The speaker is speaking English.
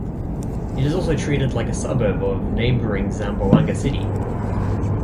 It is also treated like a suburb of neighboring Zamboanga City.